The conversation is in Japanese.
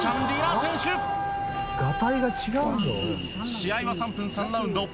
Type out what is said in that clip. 試合は３分３ラウンド。